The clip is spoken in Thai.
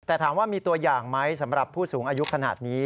แต่ถามว่ามีตัวอย่างไหมสำหรับผู้สูงอายุขนาดนี้